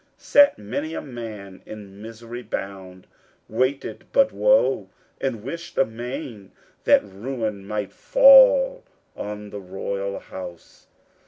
Sat many a man in misery bound, waited but woe, and wish'd amain that ruin might fall on the royal house.